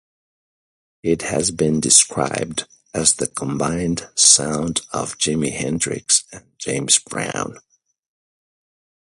It has been described as the combined sound of Jimi Hendrix and James Brown.